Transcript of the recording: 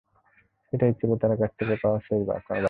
সেটাই ছিল তার কাছ থেকে পাওয়া শেষ কোনো বার্তা।